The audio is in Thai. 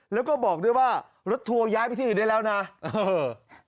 แล้วก็บอกด้วยว่ารถทัวร์ย้ายไปที่อื่นได้แล้วนะเออ